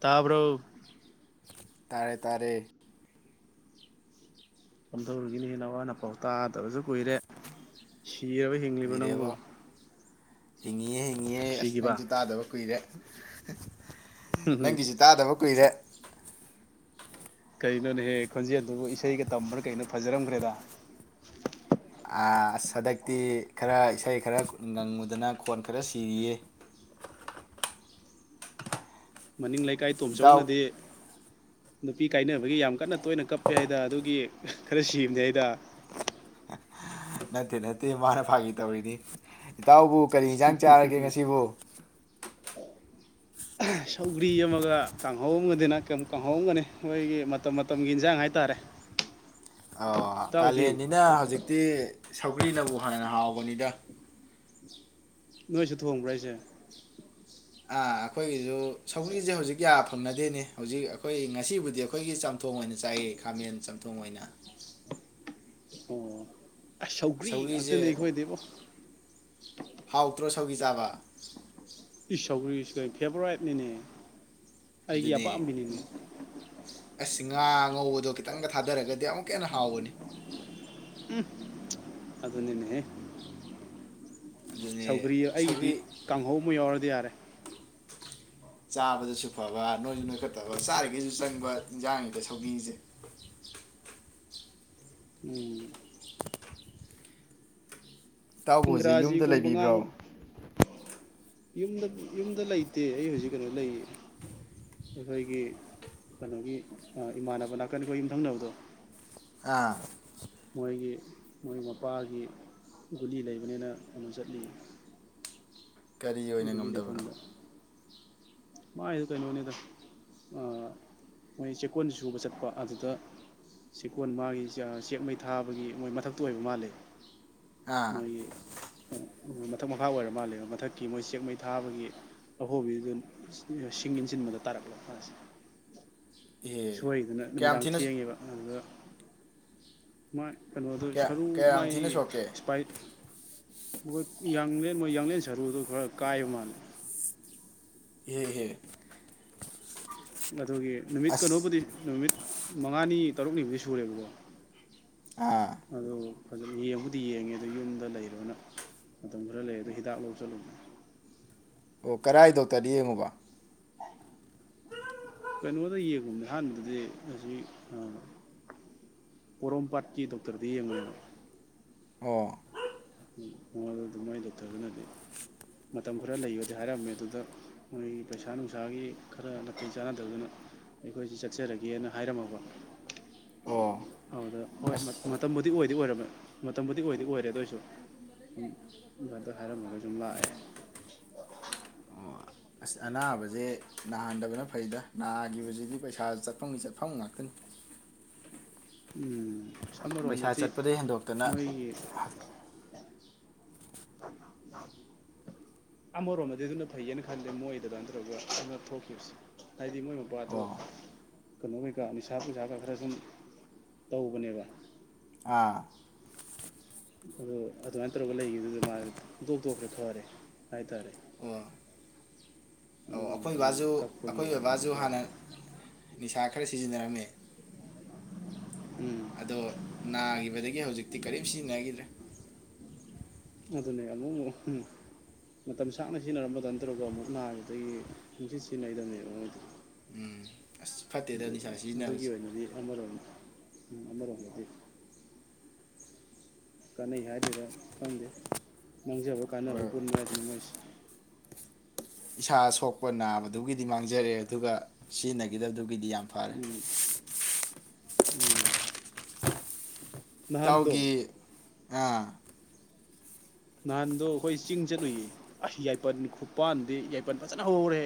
ꯇꯥꯕꯔꯣ ꯇꯥꯔꯦ ꯇꯥꯔꯦ ꯀꯝꯗꯧꯔꯤꯒꯦꯅꯦ ꯅꯋꯥ ꯅꯄꯥꯎ ꯇꯥꯗꯕꯁꯨ ꯀꯨꯏꯔꯦ ꯁꯤꯔꯕ ꯍꯤꯡꯂꯤꯕ ꯅꯪꯕꯨ ꯀꯨꯏꯔꯦꯕꯣ ꯍꯤꯡꯉꯤꯌꯦ ꯍꯤꯡ ꯌꯦ ꯑꯁ ꯁꯤꯈꯤꯕ ꯅꯪꯁꯨ ꯇꯥꯗꯕ ꯀꯨꯏꯔꯦ ꯅꯪꯒꯤꯁꯨ ꯇꯥꯗꯕ ꯀꯨꯏꯔꯦ ꯀꯩꯅꯣꯅꯦꯍꯦ ꯈꯣꯟꯖꯦꯜꯗꯨꯕꯨ ꯏꯁꯩꯒ ꯇꯝꯕ꯭ꯔꯥ ꯀꯩꯅꯣ ꯐꯖꯔꯝꯈ꯭ꯔꯦꯗ ꯑꯁ ꯍꯟꯗꯛꯇꯤ ꯈꯔ ꯏꯁꯩ ꯈꯔ ꯉꯪꯉꯨꯗꯅ ꯈꯣꯟ ꯈꯔ ꯁꯤꯔꯤꯌꯦ ꯃꯅꯤꯡ ꯂꯩ ꯀꯥꯏ ꯏꯇꯥꯎ ꯇꯣꯝꯆꯧꯅꯗꯤ ꯅꯨꯄꯤ ꯀꯥꯏꯅꯕꯒꯤ ꯌꯥꯝ ꯀꯟꯅ ꯇꯣꯏꯅ ꯀꯞꯄꯦ ꯍꯥꯏꯗ ꯑꯗꯨꯒꯤ ꯈꯔ ꯁꯤꯕꯅꯤ ꯍꯥꯏꯗ ꯅꯠꯇꯦ ꯅꯠꯇꯦ ꯃꯥꯅ ꯐꯥꯒꯤ ꯇꯧꯔꯤꯅꯤ ꯏꯇꯥꯎꯕꯨ ꯀꯔꯤ ꯏꯟꯖꯥꯡ ꯆꯥꯔꯒꯦ ꯉꯁꯤꯕꯨ ꯑꯍ ꯁꯧꯒ꯭ꯔꯤ ꯑꯃꯒ ꯀꯥꯡꯍꯧꯝꯒꯅꯤꯅ ꯀ ꯀꯥꯡꯍꯧꯝꯒꯅꯤ ꯃꯈꯣꯏꯒꯤ ꯃꯇꯝ ꯃꯇꯝꯒꯤ ꯏꯟꯖꯥꯡ ꯍꯥꯏꯇꯥꯔꯦ ꯑꯥꯑꯣ ꯏꯇꯥꯎꯗꯤ ꯀꯥꯂꯦꯟꯅꯤꯅ ꯍꯧꯖꯤꯛꯇꯤ ꯁꯧꯒ꯭ꯔꯤꯅꯕꯨ ꯍꯦꯟꯅ ꯍꯥꯎꯕꯅꯤꯗ ꯅꯣꯏꯁꯨ ꯊꯣꯡꯕ꯭ꯔꯥ ꯑꯩꯁꯦ ꯑꯥ ꯑꯩꯈꯣꯏꯒꯤꯖꯨ ꯁꯧꯒꯔꯤꯖꯦ ꯍꯧꯖꯤꯛ ꯌꯥ ꯐꯪꯅꯗꯦꯅꯦ ꯍꯧꯖꯤꯛ ꯑꯩꯈꯣꯏ ꯉꯁꯤꯕꯨꯗꯤ ꯑꯩꯈꯣꯏꯒꯤ ꯆꯝꯊꯣꯡ ꯑꯣꯏꯅ ꯆꯥꯏꯌꯦ ꯈꯥꯃꯦꯟ ꯆꯝꯊꯣꯡ ꯑꯣꯏꯅ ꯑꯣ ꯁꯧꯒ꯭ꯔꯤ ꯁꯧꯒ꯭ꯔꯤꯁꯦ ꯉꯥꯛꯇꯅꯦ ꯑꯩꯈꯣꯏꯗꯤꯕꯣ ꯇꯔꯣ ꯁꯧꯒꯤ ꯆꯥꯕ ꯁꯧꯒ꯭ꯔꯤ ꯐꯦꯕꯣꯔꯥꯏꯠ ꯅꯤꯅꯦ ꯑꯩꯒꯤ ꯑꯄꯥꯝꯕꯤꯅꯤꯅꯦ ꯉꯥꯡ ꯑꯉꯧꯕꯗꯣ ꯈꯤꯇꯪꯒ ꯊꯥꯗꯔꯒꯗꯤ ꯑꯃꯨꯛꯀ ꯍꯦꯟꯅ ꯍꯥꯎꯕꯅꯤ ꯎꯝ ꯑꯗꯨꯅꯤꯅꯦꯍꯦ ꯑꯗꯨꯅꯦ ꯁꯧꯒ꯭ꯔꯤ ꯑꯩꯒꯤꯗꯤ ꯁꯧꯒ꯭ꯔꯤ ꯀꯥꯡꯍꯧ ꯑꯃ ꯌꯥꯎꯔ ꯌꯥꯔꯦ ꯆꯥꯕꯗꯁꯨ ꯐꯕ ꯅꯣꯏꯁꯨ ꯅꯣꯏꯈꯠꯇꯕ ꯆꯥꯔꯤꯒꯩꯁꯨ ꯆꯪꯕ ꯏꯤꯟꯖꯥꯡꯅꯤꯗ ꯁꯧꯒꯔꯤꯖꯦ ꯎꯝ ꯏꯇꯥꯎꯕꯣꯖꯤ ꯌꯨꯝꯗ ꯏꯪꯒ꯭ꯔꯥꯖꯤꯒꯨꯝꯕ ꯂꯩꯕꯤꯕ꯭ꯔꯣ ꯉꯥꯡ ꯌꯨꯝꯗ ꯌꯨꯝꯗ ꯂꯩꯇꯦ ꯑꯩ ꯍꯧꯖꯤꯛ ꯀꯩꯅꯣ ꯂꯩ ꯑꯩꯈꯣꯏꯒꯤ ꯀꯅꯣꯒꯤ ꯑꯥ ꯏꯃꯥꯟꯅꯕ ꯅꯥꯀꯟ ꯈꯣꯏ ꯌꯨꯝꯊꯪꯅꯕꯗꯣ ꯑꯥ ꯃꯣꯏꯒꯤ ꯃꯣꯏ ꯃꯄꯥꯒꯤ ꯒꯨꯂꯤ ꯂꯩꯕꯅꯤꯅ ꯑꯗꯨ ꯆꯠꯂꯤ ꯀꯔꯤ ꯑꯣꯏꯅ ꯉꯝꯗꯕꯅꯣ ꯃꯥꯏꯗ ꯀꯩꯅꯣꯅꯤꯗ ꯑꯥ ꯃꯣꯏ ꯆꯦꯛꯀꯣꯟ ꯁꯨꯕ ꯆꯠꯄ ꯑꯗꯨꯗ ꯆꯦꯛꯀꯣꯟ ꯃꯥꯒꯤ ꯆꯦꯑꯥ ꯆꯦꯛꯃꯩ ꯊꯥꯕꯒꯤ ꯃꯣꯏ ꯃꯊꯛꯇꯨ ꯑꯣꯏꯕ ꯃꯥꯜꯂꯦ ꯑꯥ ꯃꯣꯏꯒꯤ ꯑꯥ ꯑꯥ ꯃꯊꯛ ꯃꯈꯥ ꯑꯣꯏꯔ ꯃꯥꯜꯂꯦꯕ ꯃꯊꯛꯀꯤ ꯃꯣꯏ ꯆꯦꯛ ꯃꯩ ꯊꯥꯕꯒꯤ ꯑꯍꯣꯕꯤꯗꯨꯗ ꯁꯤꯡ ꯏꯟꯁꯤꯟꯕꯗ ꯇꯥꯔꯛꯂꯣ ꯑꯁ ꯏꯍꯦ ꯁꯣꯏꯗꯅ ꯀꯌꯥꯝ ꯅꯨꯃꯤꯗꯥꯡ ꯊꯤꯅ ꯊꯦꯡꯉꯦꯕ ꯑꯗ ꯃꯥꯏ ꯀꯩꯅꯣꯗꯨ ꯀꯌꯥ ꯁꯔꯨ ꯀꯌꯥꯝ ꯊꯤꯅ ꯃꯥꯒꯤ ꯁꯣꯛꯀꯦ ꯏꯁꯄꯥꯏꯠ ꯃꯣꯏ ꯌꯥꯡꯂꯦꯟ ꯃꯣꯏ ꯌꯥꯡꯂꯦꯟ ꯁꯔꯨꯗ ꯈꯔ ꯀꯥꯏꯕ ꯃꯥꯜꯂꯦ ꯏꯍꯦ ꯏꯍꯦ ꯑꯗꯨꯒꯤ ꯅꯨꯃꯤꯠ ꯑꯁ ꯀꯩꯅꯣꯕꯨꯗꯤ ꯅꯨꯃꯤꯠ ꯃꯉꯥꯅꯤ ꯇꯔꯨꯛꯅꯤꯕꯨꯨꯗꯤ ꯁꯨꯔꯦꯕꯀꯣ ꯑꯥ ꯑꯗꯣ ꯐꯖꯅ ꯌꯦꯡꯕꯨꯗꯤ ꯌꯦꯡꯉꯦ ꯑꯗꯨ ꯌꯨꯝꯗ ꯂꯩꯔꯣꯅ ꯃꯇꯝ ꯈꯔ ꯂꯩꯔꯒ ꯍꯤꯗꯥꯛ ꯂꯧ ꯆꯠꯂꯨꯕꯅꯦ꯫ ꯑꯣ ꯀꯔꯥꯏ ꯗꯣꯛꯇꯔꯗ ꯌꯦꯡꯉꯨꯕ꯫ ꯀꯩꯅꯣꯗ ꯌꯦꯡꯉꯨꯝꯕꯅꯦ ꯑꯍꯥꯟꯕꯗꯗꯤ ꯑꯁꯤ ꯄꯣꯔꯣꯝꯄꯥꯠꯀꯤ ꯗꯣꯛꯇꯔꯗ ꯌꯦꯡꯕꯅꯦꯕ꯫ ꯑꯣ ꯃꯉꯣꯟꯗ ꯃꯥꯏ ꯗꯣꯛꯇꯔꯗꯨꯅꯗꯤ ꯃꯇꯝ ꯈꯔ ꯂꯩꯌꯣꯗꯤ ꯍꯥꯏꯔꯝꯃꯦ ꯑꯗꯨꯗ ꯃꯣꯏꯒꯤ ꯄꯩꯁꯥ ꯅꯨꯡꯁꯥꯒꯤ ꯈꯔ ꯅꯥꯊꯩ ꯆꯥꯟꯅꯗꯗꯅ ꯑꯩꯈꯣꯏꯁꯤ ꯆꯠꯆꯔꯒꯦꯅ ꯍꯥꯏꯔꯝꯃꯕ ꯑꯣ ꯑꯗꯨꯗ ꯍꯣꯏ ꯑꯁ ꯃꯇꯝꯕꯨꯗꯤ ꯑꯣꯏꯗꯤ ꯑꯣꯏꯔꯕ ꯃꯇꯝꯕꯨꯗꯤ ꯑꯣꯏꯗꯤ ꯑꯣꯏꯔꯦ ꯑꯗꯨꯑꯣꯏꯁꯨ ꯁꯨꯝ ꯑꯗꯨ ꯍꯥꯏꯔꯝꯃꯒ ꯑꯗꯨꯝ ꯂꯥꯛꯑꯦ꯫ ꯑꯣ ꯑꯁ ꯑꯅꯥꯕꯖꯦ ꯅꯥꯍꯟꯗꯕꯅ ꯐꯩꯗ ꯅꯥꯒꯤꯕꯖꯤꯗꯤ ꯄꯩꯁꯥ ꯆꯠꯐꯝꯒꯤ ꯆꯠꯐꯝ ꯉꯥꯛꯇꯅꯤ꯫ ꯎꯝ꯫ ꯄꯩꯁꯥ ꯁꯝꯃꯔꯣꯝꯗꯗꯤ ꯆꯠꯄꯗꯒꯤ ꯍꯦꯟꯗꯣꯛꯇꯅ ꯃꯣꯏꯒꯤ ꯑꯃꯔꯣꯝꯗꯗꯤ ꯑꯗꯨꯅ ꯐꯩꯌꯦꯅ ꯈꯜꯂꯦ ꯃꯣꯏ ꯑꯗꯨꯃꯥꯏꯅ ꯇꯧꯔꯒ ꯊꯣꯛꯈꯤꯕꯁꯦ ꯍꯥꯏꯗꯤ ꯃꯣꯏ ꯃꯄꯥꯗꯣ ꯑꯣ ꯀꯩꯅꯣ ꯀꯩꯀꯥ ꯅꯤꯁꯥ ꯄꯨꯁꯥꯒ ꯈꯔ ꯈꯔ ꯁꯨꯝ ꯇꯧꯕꯅꯦꯕ꯫ ꯑꯥ ꯑꯗꯨ ꯑꯗꯨꯃꯥꯏꯅ ꯇꯧꯔꯒ ꯂꯩꯒꯤꯕꯗꯨꯗ ꯃꯥꯖꯦ ꯄꯨꯡꯇꯣꯛ ꯇꯣꯛꯈ꯭ꯔꯦ ꯐꯔꯦ ꯍꯥꯏꯇꯥꯔꯦ꯫ ꯑꯣ ꯑꯩꯈꯣꯏ ꯑꯗꯨꯒꯨꯝꯕꯗꯨ ꯕꯥꯖꯨ ꯀꯛꯄꯒꯤ ꯑꯩꯈꯣꯏ ꯑꯣꯏꯅꯗꯤ ꯕꯥꯕꯥꯖꯨ ꯍꯣꯏ ꯍꯥꯟꯅ ꯅꯤꯁꯥ ꯈꯔ ꯁꯤꯖꯤꯟꯅꯔꯝꯃꯦ꯫ ꯎꯝ ꯑꯗꯣ ꯅꯥꯒꯤꯕꯗꯒꯤ ꯍꯧꯖꯤꯛꯇꯤ ꯀꯔꯤꯝ ꯁꯤꯖꯤꯟꯅꯒꯤꯗ꯭ꯔꯦ꯫ ꯑꯗꯨꯅꯦ ꯑꯃꯨꯛ ꯃꯨꯛ ꯃꯇꯝ ꯁꯥꯡꯅ ꯁꯤꯖꯤꯟꯅꯔꯝꯕꯗ ꯑꯗꯨꯃꯥꯏꯇꯧꯒ ꯑꯃꯨꯛ ꯅꯥꯒꯤꯕꯗꯒꯤ ꯁꯨꯡ ꯁꯤꯟ ꯁꯤꯖꯤꯟꯅꯩꯗꯕꯅꯦꯕ ꯃꯣꯏꯗꯣ꯫ ꯎꯝ ꯑꯁ ꯐꯠꯇꯦꯗ ꯅꯤꯁꯥ ꯑꯗꯨꯒꯤ ꯁꯤꯖꯤꯟꯅꯕꯁꯦ ꯑꯣꯏꯅꯗꯤ ꯑꯃꯔꯣꯝ ꯎꯝ ꯑꯃꯔꯣꯝꯗꯗꯤ꯫ ꯀꯥꯟꯅꯩ ꯍꯥꯏꯗꯣꯏꯔꯥ ꯈꯪꯗꯦ ꯃꯥꯡꯖꯕ ꯀꯥꯟꯅꯕ ꯍꯣꯏ ꯄꯨꯟꯕ ꯍꯥꯏꯗꯅ ꯃꯣꯏꯖꯦ꯫ ꯏꯁꯥ ꯁꯣꯛꯄ ꯅꯥꯕꯗꯨꯒꯤꯗꯤ ꯃꯥꯡꯖꯔꯦ ꯑꯗꯨꯒ ꯁꯤꯖꯤꯟꯅꯒꯤꯗꯕꯗꯨ ꯒꯤꯗꯤ ꯌꯥꯝ ꯐꯔꯦ꯫ ꯎꯝ ꯎꯝ꯫ ꯅꯍꯥꯟꯗꯣ ꯏꯇꯥꯎꯒꯤ ꯉꯥ꯫ ꯅꯍꯥꯟꯗꯣ ꯑꯩꯈꯣꯏ ꯆꯤꯡ ꯆꯠꯂꯨꯏꯌꯦ ꯑꯩꯁ ꯌꯥꯏꯄꯟ ꯈꯨꯄꯥꯟꯗꯤ ꯌꯥꯏꯄꯟ ꯐꯖꯅ ꯍꯧꯍꯧꯔꯦ꯫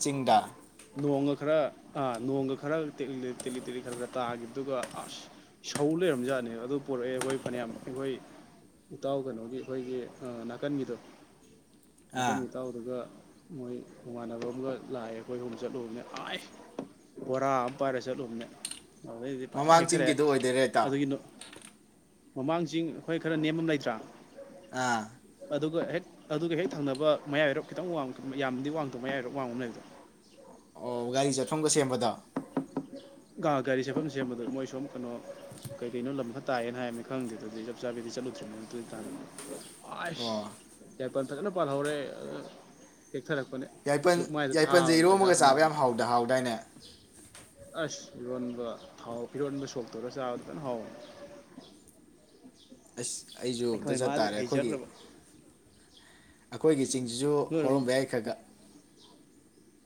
ꯆꯤꯡꯗꯥ꯫ ꯅꯣꯡꯒ ꯈꯔꯥ ꯇ ꯅꯣꯡꯒ ꯈꯔ ꯇꯦꯛꯂꯤ ꯇꯦꯛꯂꯤ ꯈꯔ ꯈꯔ ꯇꯥꯈꯤꯕꯗꯨꯒ ꯑꯁ ꯁꯧ ꯂꯩꯔꯝꯖꯥꯠꯅꯦꯕ ꯑꯗꯨ ꯄꯣꯔꯛꯑꯦ ꯑꯩꯈꯣꯏ ꯐꯅꯌꯥꯝ ꯑꯩꯈꯣꯏ ꯏꯇꯥꯎ ꯀꯩꯅꯣ ꯑꯩꯈꯣꯏꯒꯤ ꯑ ꯅꯥꯀꯟꯒꯤꯗꯣ ꯅꯥꯀꯟꯒꯤ ꯑꯥ ꯏꯇꯥꯎꯗꯨꯒ ꯃꯣꯏ ꯃꯥꯃꯥꯟꯅꯕ ꯑꯃꯒ ꯂꯥꯛꯑꯦ ꯑꯩꯈꯣꯏ ꯔꯣꯝ ꯆꯠꯂꯨꯕꯅꯦ ꯑꯥꯏ ꯕꯣꯔꯥ ꯑꯃ ꯄꯥꯏꯔ ꯆꯠꯂꯨꯕꯅꯦ꯫ ꯑꯗꯩꯗꯤ ꯐꯖꯅ ꯃꯃꯥꯡ ꯍꯦꯛꯊꯔꯛꯑꯦ ꯆꯤꯡꯒꯤꯗꯣ ꯑꯣꯏꯗꯣꯏꯔꯦ ꯏꯇꯥꯎ ꯑꯗꯒꯤꯅꯣ ꯃꯃꯥꯡ ꯆꯤꯡ ꯑꯩꯈꯣꯏ ꯈꯔ ꯅꯦꯝꯕ ꯑꯃ ꯂꯩꯇ꯭ꯔꯥ ꯑꯥ ꯑꯗꯨꯒ ꯍꯦꯛ ꯑꯗꯨꯒ ꯍꯦꯛ ꯊꯪꯅꯕ ꯃꯌꯥꯏ ꯋꯥꯏꯔꯞ ꯈꯤꯇꯪ ꯋꯥꯡ ꯌꯥꯝꯅꯗꯤ ꯋꯥꯡꯗꯕ ꯃꯌꯥꯏ ꯋꯥꯏꯔꯣꯞ ꯋꯥꯡꯕ ꯑꯃ ꯂꯩꯕꯗꯣ꯫ ꯑꯣ ꯒꯥꯔꯤ ꯆꯠꯐꯝꯒ ꯁꯦꯝꯕꯗꯣ꯫ ꯒꯥ ꯒꯥꯔꯤ ꯁꯠꯐꯝ ꯁꯦꯝꯕꯗꯣ ꯃꯣꯏ ꯁꯨꯝ ꯀꯩꯅꯣ ꯀꯩ ꯀꯩꯅꯣ ꯂꯝ ꯈ ꯇꯥꯏꯌꯦꯅ ꯍꯥꯏꯕꯅꯤ ꯈꯪꯗꯦ ꯑꯗꯨꯗꯤ ꯆꯞ ꯆꯥꯕꯤꯗꯤ ꯆꯠꯂꯨꯗ꯭ꯔꯤꯕꯅꯤꯅ ꯑꯗꯨ ꯇꯥꯅ꯫ ꯑꯥꯏꯁ ꯑꯣ ꯌꯥꯏꯄꯟ ꯐꯖꯅ ꯄꯥꯜꯍꯧꯔꯦ꯫ ꯇꯦꯛꯊꯔꯛꯄꯅꯦ ꯌꯥꯏꯄꯟ ꯂꯨꯛꯃꯥꯏꯗ ꯌꯥꯏꯄꯟꯖꯦ ꯊꯥꯕꯅꯦ ꯄꯩꯁꯥ ꯏꯔꯣꯝꯕꯒ ꯐꯅꯌꯥꯝ ꯆꯥꯕ ꯌꯥꯝ ꯐꯪꯉꯦ ꯍꯥꯎꯗ ꯍꯥꯎꯗꯥꯏꯅꯦ ꯑꯁ ꯏꯔꯣꯟꯕ ꯊꯥꯎ ꯏꯔꯣꯟꯕ ꯁꯣꯛꯇꯧꯔ ꯆꯥꯕꯗ ꯐꯖꯅ ꯍꯥꯎꯋꯦ꯫ ꯑꯁ ꯑꯩꯖꯨ ꯑꯝꯇ ꯆꯠꯇꯥꯥꯔꯦ ꯑꯩꯈꯣꯏ [unintelligible] ꯑꯩꯈꯣꯏꯒꯤ ꯆꯤꯡꯁꯤꯁꯨ ꯅꯣꯏꯔꯣꯝ ꯍꯧꯔꯝꯕ ꯌꯥꯏ ꯈꯔ ꯈꯔꯥ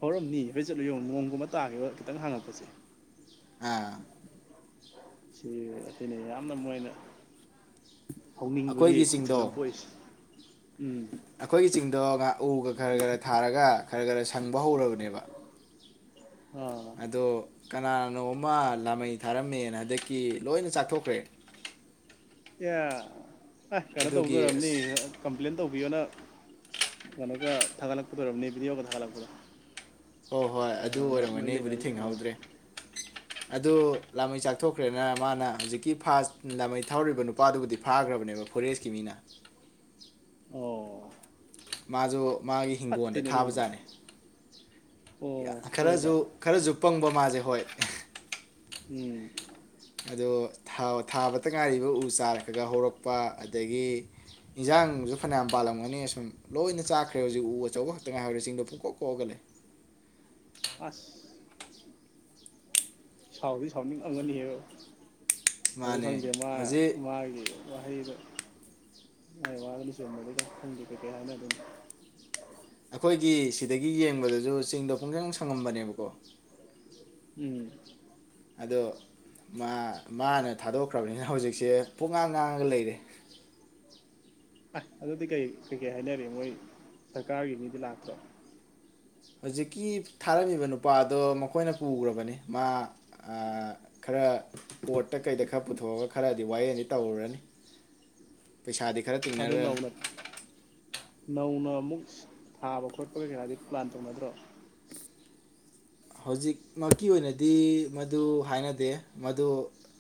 ꯍꯧꯔꯝꯅꯤ ꯍꯥꯏꯐꯠ ꯆꯠꯂꯨ ꯌꯦꯡꯉꯨ ꯅꯣꯡꯒꯨꯝꯕ ꯇꯥꯒꯤꯕ ꯈꯤꯇꯪ ꯍꯥꯡꯉꯛꯄꯁꯦ [unintelligible] [unintelligible] ꯁꯤ ꯑꯁꯤꯅꯤ ꯌꯥꯝꯅ ꯃꯣꯏꯅ ꯍꯧꯅꯤꯡꯕꯒꯤ ꯑꯩꯈꯣꯏꯒꯤ ꯏꯊꯤꯜ ꯑꯃ ꯄꯣꯛꯏꯁꯦ ꯎꯝ ꯑꯈꯣꯏꯒꯤ ꯆꯤꯡꯗꯣ ꯉꯥꯛ ꯎꯒ ꯈꯔ ꯈꯔ ꯊꯥꯔꯒ ꯈꯔ ꯈꯔ ꯁꯪꯕ ꯍꯧꯔꯕꯅꯤ ꯑꯥ [unintelligible] ꯑꯗꯣ ꯀꯅꯥꯅꯣꯝ ꯃꯥ ꯂꯥꯃꯩ ꯊꯥꯔꯝꯃꯦꯅ ꯍꯟꯗꯛꯀꯤ ꯂꯣꯏꯅ ꯆꯥꯊꯣꯛꯈ꯭ꯔꯦ [unintelligible] ꯑ ꯀꯩꯅꯣ ꯇꯧꯕꯗꯣ ꯑꯗꯨꯒꯤ ꯑꯣꯏꯔꯝꯅꯤ ꯑꯁ ꯀꯝꯄ꯭ꯂꯦꯟ ꯇꯧꯕꯤꯌꯣꯅ ꯀꯩꯅꯣꯒ ꯊꯥꯒꯠꯂꯛꯄꯗꯣ ꯑꯣꯏꯔꯝꯅꯤ ꯕꯤꯗꯤꯌꯣꯒ ꯊꯥꯒꯠꯂꯛꯄꯗꯣ ꯍꯣꯏ ꯍꯣꯏ ꯑꯗꯨ ꯀꯅꯥꯅ ꯑꯣꯏꯔꯝꯒꯅꯤ ꯃꯔꯤ ꯑꯩꯕꯨꯗꯤ ꯂꯩꯅꯕꯁꯤꯡ ꯑ ꯊꯦꯡꯅꯍꯧꯗ꯭ꯔꯦ ꯑꯗꯨ ꯂꯥꯃꯩ ꯆꯥꯛꯊꯣꯛꯈ꯭ꯔꯦꯅ ꯃꯥꯅ ꯍꯧꯖꯤꯛꯀꯤ ꯐꯥꯁ ꯂꯥꯃꯩ ꯊꯥꯎꯔꯤꯕ ꯅꯨꯄꯥꯗꯨꯕꯨꯗꯤ ꯐꯥꯒ꯭ꯔꯕꯅꯦꯕ ꯐꯣꯔꯦꯁꯀꯤ ꯃꯤꯅ ꯑꯣ ꯃꯥꯖꯨ ꯃꯥꯒꯤ ꯍꯤꯡꯒꯣꯜꯗ ꯐꯠꯇꯦꯅꯦ ꯑꯗꯨꯒꯨꯝꯕꯗꯣ ꯊꯥꯕꯖꯥꯠꯅꯤ ꯑꯣ ꯈꯔꯁꯨ ꯁꯣꯏꯕ ꯈꯔꯁꯨ ꯄꯪ ꯃꯥꯁꯦ ꯍꯣꯏ ꯎꯝ ꯑꯗꯣ ꯊꯥꯕꯇ ꯉꯥꯏꯔꯤꯕ ꯎ ꯆꯥꯔꯒ ꯍꯧꯔꯛꯄ ꯑꯗꯒꯤ ꯏꯟꯖꯥꯡꯁꯨ ꯐꯅꯌꯥꯝ ꯄꯥꯜꯂꯝꯒꯅꯤ ꯁꯨꯝ ꯂꯣꯏꯅ ꯆꯥꯛꯈ꯭ꯔꯦ ꯍꯧꯖꯤꯛ ꯎ ꯑꯆꯧꯕ ꯈꯛꯇ ꯉꯥꯏꯍꯧꯔꯦ ꯆꯤꯡꯗꯣ ꯐꯨꯀꯣꯛ ꯀꯣꯛꯑꯒꯂꯩ ꯑꯁ ꯁꯥꯎꯗꯤ ꯁꯥꯎꯅꯤꯡ ꯉꯪꯒꯅꯤ ꯍꯥꯏꯕ ꯑꯗꯨ ꯃꯥꯅꯦ ꯈꯪꯗꯦ ꯃꯥ ꯍꯧꯖꯤꯛ ꯃꯥꯒꯤ ꯋꯥꯍꯩꯗꯣ ꯃꯥꯏ ꯋꯥꯒꯗꯤ ꯈꯪꯗꯦ ꯀꯩꯀꯩ ꯍꯥꯏꯅꯗꯣꯏꯅꯣ ꯑꯈꯣꯏꯒꯤ ꯁꯤꯗꯒꯤ ꯌꯦꯡꯕꯗꯁꯨ ꯆꯤꯡꯗꯣ ꯄꯨꯡꯁꯪ ꯁꯪꯉꯝꯕꯅꯦꯕꯀꯣ ꯎꯝ ꯑꯗꯣ ꯃꯥ ꯃꯥꯅ ꯊꯥꯗꯣꯛꯈ꯭ꯔꯕꯅꯤꯅ ꯍꯧꯖꯤꯛꯁꯦ ꯄꯣꯛ ꯉꯥꯡ ꯉꯥꯡꯉꯒ ꯂꯩꯔꯦ ꯑ ꯑꯗꯨꯗꯤ ꯀꯩ ꯀꯩꯀꯩ ꯍꯥꯏꯅꯔꯤ ꯃꯣꯏ ꯁꯔꯀꯥꯔꯒꯤ ꯃꯤꯗꯤ ꯂꯥꯛꯇ꯭ꯔꯣ ꯍꯧꯖꯤꯛꯀꯤ ꯊꯥꯔꯝꯃꯤꯕ ꯅꯨꯄꯥꯗꯣ ꯃꯈꯣꯏꯅ ꯄꯨꯈ꯭ꯔꯕꯅꯤ ꯃꯥ ꯈꯔ ꯀꯣꯔꯠꯇ ꯀꯩꯗ ꯈꯔ ꯄꯨꯊꯣꯛꯑꯒ ꯈꯔꯗꯤ ꯋꯥꯌꯦꯜꯗꯤ ꯇꯧꯔꯨꯔꯅꯤ ꯄꯩꯁꯥꯗꯤ ꯈꯔ ꯑꯗꯣ ꯇꯤꯡꯅꯒ꯭ꯔꯅꯤ ꯅꯧꯅ ꯅꯧꯅ ꯑꯃꯨꯛ ꯊꯥꯕ ꯈꯣꯠꯄ ꯀꯩ ꯀꯥꯗꯤ ꯄ꯭ꯂꯥꯟ ꯇꯧꯅꯗ꯭ꯔꯣ ꯍꯧꯖꯤꯛꯃꯛꯀꯤ ꯑꯣꯏꯅꯗꯤ ꯃꯗꯨ ꯍꯥꯏꯅꯗꯦ ꯃꯗꯨ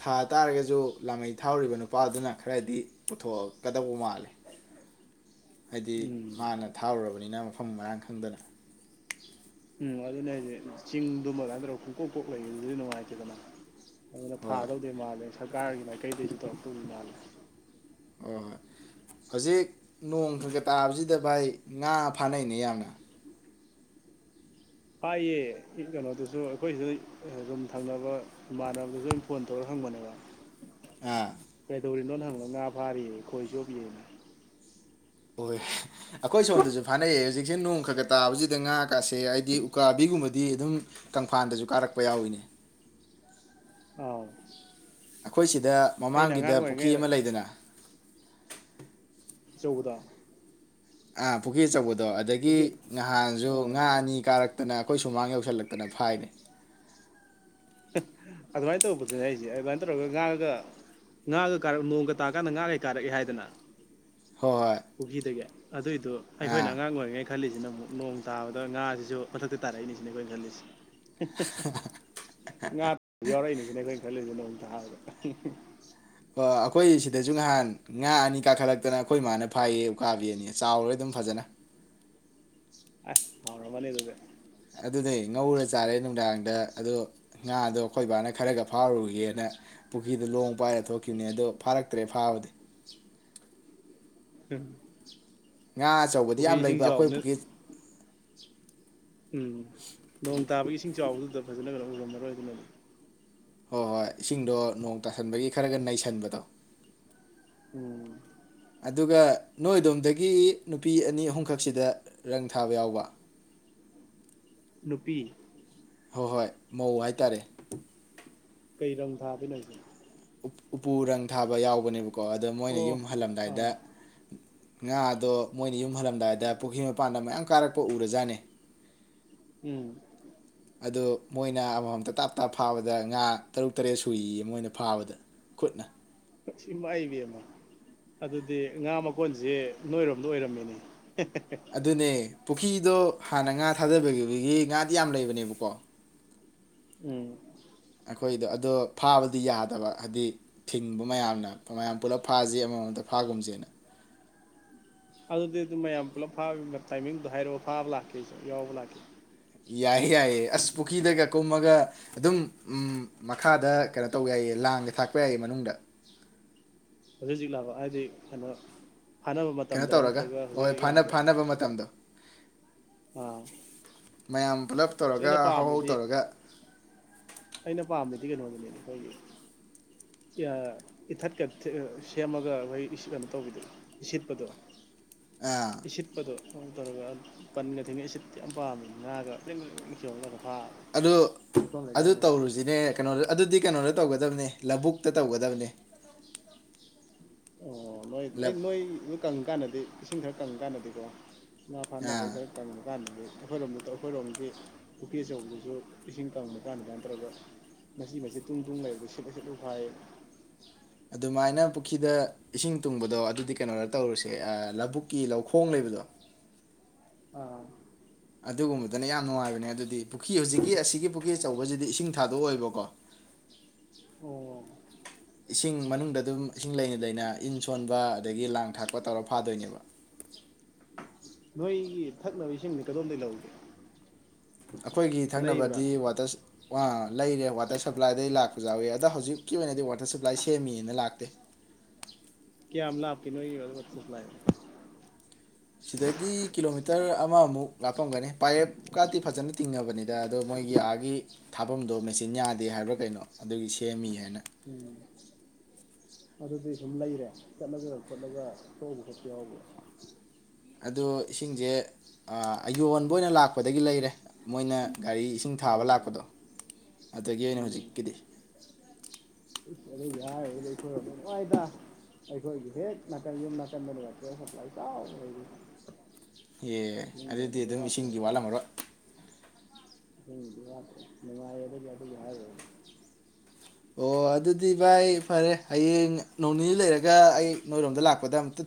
ꯊꯥ ꯇꯥꯔꯒꯁꯨ ꯂꯥꯃꯩ ꯊꯥꯎꯔꯤꯕ ꯅꯨꯄꯥꯗꯨꯅ ꯈꯔꯗꯤ ꯄꯨꯊꯣꯛꯀꯗꯧꯕ ꯃꯥꯜꯂꯦ ꯍꯥꯏꯗꯤ ꯎꯝ ꯃꯥꯅ ꯊꯥꯔꯨꯔꯕꯅꯤꯅ ꯃꯐꯝ ꯃꯔꯥꯡ ꯈꯪꯗꯅ ꯎꯝ ꯑꯗꯨꯅꯦ ꯍꯥꯏꯗꯤ ꯆꯤꯡꯗꯨꯃꯗ [unintelligible] ꯄꯨꯡꯀꯣꯛ ꯀꯣꯛ ꯂꯩꯕꯗꯨꯗꯤ ꯅꯨꯡꯉꯥꯏꯇꯦꯗꯅ ꯑꯗꯨꯅ ꯍꯣꯏ ꯊꯥꯗꯧꯗꯦ ꯃꯥꯜꯂꯦ ꯁꯔꯀꯥꯔꯒꯤ ꯃꯥꯏꯀꯩꯗꯩꯁꯨ ꯇꯧꯔꯛꯇꯧꯗꯤ ꯃꯥꯜꯂꯦ ꯍꯣꯏ ꯍꯧꯖꯤꯛ ꯅꯣꯡ ꯈꯒ ꯇꯥꯕꯁꯤꯗ ꯚꯥꯏ ꯉꯥ ꯐꯥꯅꯩꯅꯦ ꯌꯥꯝꯅ ꯍꯥꯏꯌꯦ ꯀꯩꯅꯣꯗꯨꯁꯨ ꯑꯩꯈꯣꯏꯁꯤꯗ ꯔꯨꯝ ꯊꯪꯅꯕ ꯏꯃꯥꯟꯅꯕꯗꯨꯁꯨ ꯑꯝ ꯐꯣꯟ ꯇꯧꯔ ꯍꯪꯕꯅꯦꯕ ꯑ ꯍꯪꯕꯗꯥ ꯉ ꯐꯥꯔꯤꯌꯦ ꯈꯣꯏ ꯆꯣꯞꯄꯤꯌꯦ ꯍꯣꯏ ꯑꯩꯈꯣꯏ ꯁꯣꯝꯗꯁꯨ ꯐꯥꯅꯩꯑꯌꯦ ꯍꯧꯖꯤꯛꯁꯦ ꯅꯣꯡ ꯈ ꯈ ꯇꯥꯕꯁꯤꯗ ꯉꯥ ꯀꯥꯁꯦ ꯍꯥꯏꯗꯤ ꯎꯀꯥꯕꯤꯒꯨꯝꯕꯗꯤ ꯑꯗꯨꯝ ꯀꯪꯐꯥꯟꯗꯁꯨ ꯀꯥꯔꯛꯄ ꯌꯥꯎꯏꯅꯦ ꯑꯥꯎ ꯑꯩꯈꯣꯏ ꯁꯤ ꯗ ꯑꯩꯅ ꯃꯃꯥꯡꯒꯤꯗ ꯑꯉꯥꯡ ꯄꯨꯈ꯭ꯔꯤ ꯑꯣꯏꯔꯤꯉꯩ ꯑꯃ ꯂꯩꯗꯅ ꯇꯧꯕꯥꯗꯣ ꯑ ꯄꯨꯈꯤ ꯑꯆꯧꯕꯥꯗꯣ ꯗꯣ ꯑꯗꯒꯤ ꯅꯍꯥꯟꯁꯨ ꯑꯥ ꯉꯥ ꯑꯅꯤ ꯀꯥꯔꯛ ꯇꯅ ꯑꯩꯈꯣꯏ ꯁꯨꯃꯥꯡ ꯌꯧꯁꯤꯜꯂꯛꯇꯅ ꯐꯥꯏꯅꯤ ꯑꯗꯨꯃꯥꯏꯅ ꯇꯧꯕꯗꯨꯅꯦ ꯑꯩꯁꯦ ꯑꯗꯨꯃꯥꯏꯅ ꯇꯧꯔꯒ ꯉꯥꯒ ꯉꯥꯒ ꯀꯥꯔꯛ ꯅꯣꯡꯒ ꯇꯥꯀꯥꯟꯗ ꯉꯥꯒꯩ ꯀꯥꯔꯛꯑꯦ ꯍꯥꯏꯗꯅ ꯍꯣꯏ ꯍꯣꯏ ꯄꯨꯈꯤꯗꯒꯤ ꯑꯗꯨꯏꯗꯨꯣ ꯑꯩꯈꯣꯏꯅ ꯑꯥ ꯑꯉꯥꯡ ꯑꯣꯏꯔꯤꯉꯩ ꯈꯜꯂꯤꯁꯤꯅ ꯑꯃꯨꯛ ꯅꯣꯡ ꯇꯥꯕꯗ ꯉꯥꯁꯤꯁꯨ ꯃꯊꯛꯇ ꯇꯥꯔꯛꯏꯅꯤꯁꯤꯅ ꯑꯩꯈꯣꯏꯅ ꯈꯜꯂꯤꯁꯦ ꯉꯥ ꯌꯥꯎꯔꯛꯏꯅꯤꯁꯤꯅꯦ ꯑꯩꯈꯣꯏ ꯈꯜꯂꯤꯁꯤ ꯅꯣꯡ [inaudible] ꯑꯩꯈꯣꯏ ꯁꯤꯗꯁꯨ ꯉꯍꯥꯟ ꯉꯥ ꯑꯅꯤ ꯀꯥꯈꯠꯂꯛꯇꯅ ꯑꯩꯈꯣꯏ ꯏꯃꯥꯅ ꯐꯥꯏꯌꯦ ꯎꯀꯥꯕꯤ ꯑꯅꯤ ꯆꯥꯎꯔꯦ ꯑꯗꯨꯝ ꯐꯖꯅ ꯑꯁ ꯍꯥꯎꯔꯝꯃꯅꯤ ꯑꯗꯨꯗꯤ ꯑꯗꯨꯅꯦ ꯉꯧꯔ ꯆꯥꯔꯦ ꯅꯨꯡꯗꯥꯡꯗ ꯑꯗꯣ ꯉꯥꯗꯣ ꯑꯩꯈꯣꯏ ꯕꯥꯅ ꯈꯔꯒ ꯐꯥꯔꯨꯒꯦꯅ ꯄꯨꯈ꯭ꯔꯤꯗ ꯂꯣꯡ ꯄꯥꯏꯔ ꯊꯣꯛꯈꯤꯕꯅꯤ ꯑꯗꯣ ꯐꯥꯔꯛꯇ꯭ꯔꯦ ꯐꯥꯕꯗꯤ ꯎꯝ ꯉꯥ ꯑꯆꯧꯕꯗꯤ ꯌꯥꯝ ꯂꯩꯕ ꯑꯩꯈꯣꯏ ꯄꯨꯈꯔꯤ ꯎꯝ ꯅꯣꯡ ꯇꯥꯕꯒꯤ ꯏꯁꯤꯡ ꯆꯥꯎꯕꯗꯨꯗ ꯐꯖꯅ ꯎꯔꯝꯃꯔꯣꯏ ꯑꯗꯨꯅꯅꯤ ꯍꯣꯏ ꯍꯣꯏ ꯏꯁꯤꯡꯗꯣ ꯅꯣꯡ ꯇꯥꯁꯟꯕꯒꯤ ꯈꯔꯒ ꯅꯩꯁꯟꯕꯗꯣ ꯎꯝ ꯑꯗꯨꯒ ꯅꯣꯏ ꯑꯗꯣꯝꯗꯒꯤ ꯅꯨꯄꯤ ꯑꯅꯤ ꯑꯍꯨꯝꯈꯛꯁꯤꯗ ꯔꯪ ꯊꯥꯕ ꯌꯥꯎꯕ ꯅꯨꯄꯤ ꯍꯣꯏ ꯍꯣꯏ ꯃꯧ ꯍꯥꯏꯇꯥꯔꯦ ꯀꯩ ꯔꯪ ꯊꯥꯗꯣꯏꯅꯣ ꯍꯥꯢꯁꯦ ꯎꯄꯨ ꯔꯪ ꯊꯥꯕ ꯌꯥꯎꯕꯅꯦꯕ ꯀꯣ ꯑꯗꯣ ꯃꯣꯏꯅ ꯑꯣ ꯌꯨꯝ ꯍꯜꯂꯝꯗꯥꯏꯗ ꯑꯥ ꯉꯥ ꯑꯗꯣ ꯃꯣꯏꯅ ꯌꯨꯝ ꯍꯜꯂꯝꯗꯥꯏꯗ ꯄꯨꯈ꯭ꯔꯤ ꯃꯄꯥꯟꯗ ꯃꯌꯥꯝ ꯀꯥꯔꯛꯄ ꯎꯔꯖꯥꯠꯅꯦ ꯎꯝ ꯑꯗꯨꯗ ꯃꯣꯏꯅ ꯑꯃꯃꯝꯇ ꯇꯥꯞ ꯇꯥꯞ ꯐꯥꯕꯗ ꯉꯥ ꯇꯔꯨꯛ ꯇꯔꯦꯠ ꯁꯨꯏꯌꯦ ꯃꯣꯏꯅ ꯐꯥꯕꯗ ꯈꯨꯠꯅ ꯁꯤ ꯏꯃꯥꯏꯕꯦꯝꯃꯥ ꯑꯗꯨꯗꯤ ꯉꯥ ꯃꯀꯣꯟꯁꯦ ꯅꯣꯏꯔꯣꯝꯗ ꯑꯣꯏꯔꯝꯃꯦꯅꯦ ꯑꯗꯨꯅꯦ ꯄꯨꯈ꯭ꯔꯤꯗꯣ ꯍꯥꯟꯅ ꯉꯥ ꯊꯥꯗꯕꯒꯤꯈꯤꯕꯒꯤ ꯉꯥꯗꯤ ꯌꯥꯝ ꯂꯩꯕꯅꯦꯕꯀꯣ ꯎꯝ ꯑꯩꯈꯣꯏꯗꯣ ꯑꯗꯣ ꯐꯥꯕꯗꯤ ꯌꯥꯗꯕ ꯍꯥꯏꯗꯤ ꯊꯤꯡꯕ ꯃꯌꯥꯝꯅ ꯃꯃꯌꯥꯝ ꯄꯨꯂꯞ ꯐꯥꯁꯤ ꯑꯃꯃꯝꯗ ꯐꯥꯒꯨꯝꯖꯦꯅ ꯑꯗꯨꯗꯤ ꯑꯗꯨꯝ ꯃꯌꯥꯝ ꯄꯨꯂꯞ ꯐꯥꯕꯅꯤꯅ ꯇꯥꯏꯃꯤꯡꯗꯣ ꯍꯥꯏꯔꯣ ꯐꯥꯕ ꯂꯥꯛꯀꯦ ꯑꯩꯁꯨ ꯌꯥꯎꯕ ꯂꯥꯛꯀꯦ ꯌꯥꯏꯌꯦ ꯌꯥꯏꯌꯦ ꯑꯁ ꯄꯨꯈ꯭ꯔꯤꯗꯒ ꯀꯨꯝꯃꯒ ꯑꯗꯨꯝ ꯃꯈꯥꯗ ꯀꯩꯅꯣ ꯇꯧꯕ ꯌꯥꯏꯌꯦ ꯂꯥꯡꯒ ꯊꯥꯛꯄ ꯌꯥꯏꯌꯦ ꯃꯅꯨꯡꯗ ꯍꯧꯖꯤꯛ ꯍꯧꯖꯤꯛ ꯂꯥꯕ ꯍꯥꯏꯗꯤ ꯀꯩꯅꯣ ꯐꯥꯅꯕ ꯀꯩꯅꯣ ꯃꯇꯝꯗꯔ ꯇꯧꯔꯒ ꯅꯠꯇ꯭ꯔꯒ ꯍꯧꯖꯤꯛ ꯃꯣꯏ ꯍꯧꯖꯤꯛ ꯐꯥꯅ ꯌꯥꯕ꯭ꯔꯥ ꯐꯥꯅꯕ ꯃꯇꯝꯗꯣ ꯑꯥ ꯃꯌꯥꯝ ꯄꯨꯂꯞ ꯑꯁ ꯇꯧꯔꯒ ꯑꯩꯅ ꯍꯧꯍꯧ ꯄꯥꯝꯃꯤꯗꯤ ꯇꯧꯔꯒ ꯑꯩꯅ ꯄꯥꯝꯃꯤꯗꯤ ꯀꯩꯅꯣꯅꯤꯅꯦꯅꯦ ꯑꯩꯈꯣꯏꯒꯤ ꯏꯊꯠꯀ ꯁꯦꯝꯃꯒ ꯑꯩꯈꯣꯏ ꯀꯩꯅꯣ ꯇꯧꯕꯤꯗꯣ ꯏꯁꯤꯠꯄꯗꯣ ꯑꯥ ꯏꯁꯤꯠ ꯄꯗꯣ ꯁ ꯇꯧꯔꯒ ꯄꯟꯒ ꯊꯦꯡꯉ ꯏꯁꯤꯠꯄꯗꯨ ꯌꯥꯝ ꯄꯥꯝꯃꯤ ꯉꯥꯒ ꯐ꯭ꯔꯤꯡ ꯐ꯭ꯔꯤꯡ ꯆꯣꯡꯉꯒꯀꯣ ꯑꯗꯨ ꯑꯗꯨ ꯇꯧꯔꯨꯁꯤꯅꯦ ꯀꯩꯅꯣꯗ ꯑꯗꯨꯗꯤ ꯀꯩꯅꯣꯗ ꯇꯧꯒꯗ ꯕꯅꯦ ꯂꯧꯕꯨꯛꯇ ꯇꯧꯒꯗꯕꯅꯦ ꯑꯣ ꯅꯣꯏ ꯑꯩ ꯂꯞ ꯅꯣꯏ ꯅꯣꯏ ꯀꯪ ꯀꯥꯟꯗꯗꯤ ꯏꯁꯤꯡ ꯈꯔ ꯀꯪꯀꯥꯟꯗꯗꯤꯀꯣ ꯉꯥ ꯐꯥꯅꯕꯩ ꯑꯥ ꯈꯔ ꯀꯪꯕ ꯀꯥꯟꯗꯗꯤ ꯑꯩꯈꯣꯏꯔꯣꯝꯗ ꯑꯩꯈꯣꯏꯔꯣꯝꯒꯤ ꯄꯨꯈꯤ ꯑꯆꯧꯕꯗꯨꯁꯨ ꯏꯁꯤꯡ ꯀꯪꯕ ꯀꯥꯟ ꯀꯩꯅꯣ ꯇꯧꯔꯒ ꯃꯆꯤ ꯃꯆꯤ ꯇꯨꯡ ꯇꯨꯡ ꯂꯩꯕꯗ ꯁꯤꯠꯂ ꯁꯤꯠꯂ ꯐꯥꯏ ꯑꯗꯨꯃꯥꯏꯅ ꯄꯨꯈ꯭ꯔꯤꯗ ꯏꯁꯤꯡ ꯇꯨꯡꯕꯗꯣ ꯑꯗꯨꯗꯤ ꯀꯩꯅꯣꯗ ꯇꯧꯔꯨꯁꯦ ꯂꯧꯕꯨꯛꯀꯤ ꯂꯧꯈꯣꯡ ꯂꯩꯕꯗꯣ ꯑꯥ ꯑꯗꯨꯒꯨꯝꯕꯗꯅ ꯌꯥꯝ ꯅꯨꯡꯉꯥꯏꯕꯅꯦ ꯑꯗꯨꯗꯤ ꯄꯨꯈ꯭ꯔꯤ ꯍꯧꯖꯤꯛꯀꯤ ꯑꯁꯤꯒꯤ ꯄꯨꯈ꯭ꯔꯤ ꯑꯆꯧꯕꯁꯤꯗꯤ ꯏꯁꯤꯡ ꯊꯥꯗꯣꯛ ꯑꯣꯏꯕꯀꯣ ꯑꯣ ꯏꯁꯤꯡ ꯃꯅꯨꯡꯗ ꯑꯗꯨꯝ ꯏꯁꯤꯡ ꯂꯩꯅ ꯂꯩꯅ ꯏꯟ ꯁꯣꯟꯕ ꯑꯗꯒꯤ ꯂꯥꯡ ꯊꯥꯛꯄ ꯇꯧꯔ ꯐꯥꯗꯣꯏꯅꯦꯕ ꯅꯣꯏꯒꯤ ꯊꯛꯅꯕ ꯏꯁꯤꯡꯗꯤ ꯀꯗꯣꯝꯗꯒꯤ ꯂꯧꯒꯦ ꯑꯩꯈꯣꯏꯒꯤ ꯂꯩꯕ꯭ꯔꯥ ꯊꯛꯅꯕꯗꯤ ꯋꯥꯇꯔ ꯂꯩꯔꯦ ꯋꯥꯇꯔ ꯁꯄ꯭ꯂꯥꯏꯗꯩ ꯂꯥꯛꯄꯖꯨ ꯌꯥꯎꯋꯤ ꯑꯗꯣ ꯍꯧꯖꯤꯛꯀꯤ ꯑꯣꯏꯅꯗꯤ ꯋꯥꯇꯔ ꯁꯄ꯭ꯂꯥꯏ ꯁꯦꯝꯃꯤꯅ ꯂꯥꯛꯇꯦ ꯀꯌꯥꯝ ꯂꯥꯞꯀꯦ ꯅꯣꯏ ꯋꯥꯇꯔ ꯁꯄ꯭ꯂꯥꯏꯗꯣ ꯁꯤꯗꯒꯤ ꯀꯤꯂꯣꯃꯤꯇꯔ ꯑꯃꯃꯨꯛ ꯂꯥꯞꯄꯒꯅꯤ ꯄꯥꯏꯌꯦꯞꯀꯇꯤ ꯐꯖꯅ ꯇꯤꯡꯉꯕꯅꯤꯗ ꯑꯗꯣ ꯃꯣꯏꯒꯤ ꯑꯥꯒꯤ ꯊꯥꯕꯝꯗꯣ ꯃꯦꯆꯤꯟ ꯌꯥꯗꯦ ꯍꯥꯏꯕ꯭ꯔꯥ ꯀꯩꯅꯣ ꯑꯗꯨꯒꯤ ꯁꯦꯝꯃꯤ ꯍꯥꯏꯅ ꯎꯝ ꯑꯗꯨꯗꯤ ꯁꯨꯝ ꯂꯩꯔꯦ ꯆꯠꯂꯒ ꯈꯣꯠꯂꯒ ꯊꯣꯛꯎꯕ ꯈꯣꯠꯄ ꯌꯥꯎꯕ ꯑꯗꯨ ꯏꯁꯤꯡꯁꯦ ꯑ ꯌꯣꯟꯕ ꯑꯣꯏꯅ ꯂꯥꯛꯄꯗꯒꯤ ꯂꯩꯔꯦ ꯃꯣꯏꯅ ꯒꯥꯔꯤ ꯏꯁꯤꯡ ꯊꯥꯕ ꯑꯣ ꯂꯥꯛꯄꯗꯣ ꯑꯗꯨꯗꯒꯤ ꯑꯣꯏꯅ ꯎꯝ ꯍꯧꯖꯤꯛꯀꯤꯗꯤ ꯑꯗꯨꯒꯤ ꯍꯥꯏꯔꯨꯔꯗꯤ ꯑꯩꯈꯣꯏꯔꯣꯝꯅ ꯅꯨꯡꯉꯥꯏꯗ ꯑꯩꯈꯣꯏꯒꯤ ꯍꯦꯛ ꯅꯥꯀꯟ ꯌꯨꯝ ꯅꯥꯀꯟꯗꯅꯦ ꯋꯥꯇꯔ ꯁꯄ꯭ꯂꯥꯏ ꯆꯥꯎꯅ ꯂꯩꯔꯤ [unintelligible] ꯑꯦ ꯏꯁꯤꯡꯒꯤ ꯑꯗꯨꯗꯤ ꯑꯣꯏꯅꯗꯤ ꯑꯗꯨꯝ ꯋꯥꯠꯇ꯭ꯔꯦ ꯏꯁꯤꯡꯒꯤ ꯍꯥꯏꯇꯥꯔꯦ ꯋꯥꯠꯂꯝꯃꯔꯣꯏ ꯏꯁꯤꯡꯒꯤꯗꯤ ꯋꯥꯠꯇ꯭ꯔꯦ ꯅꯨꯡꯉꯥꯏꯔꯦꯗ ꯑꯗꯨꯒꯤ ꯍꯥꯏꯔꯨꯔꯗꯤ ꯑꯣ ꯑꯗꯨꯗꯤ ꯚꯥꯏ ꯐꯔꯦ ꯍꯌꯦꯡ ꯅꯣꯡꯅꯤꯅꯤ ꯂꯩꯔꯒ ꯑꯩ ꯅꯣꯏꯔꯣꯝꯗ ꯂꯥꯛꯄꯗ ꯑꯝꯇ ꯊ